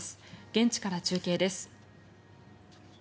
現地から中継です。